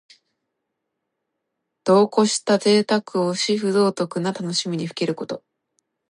度をこしたぜいたくをし、不道徳な楽しみにふけること。